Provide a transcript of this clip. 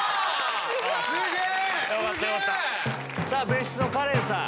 別室のカレンさん